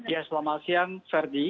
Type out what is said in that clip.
ya selamat siang serdi